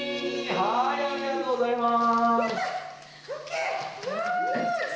ありがとうございます。